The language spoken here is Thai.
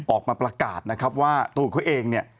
ออกมาประกาศนะครับว่าตัวเขาเองเนี่ย